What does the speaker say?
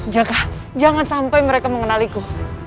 jaka jangan sampai mereka mengenaliku